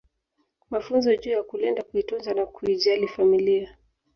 Mafunzo juu ya kulinda kuitunza na kuijali familia